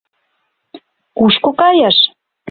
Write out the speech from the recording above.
— Кушко кайыш?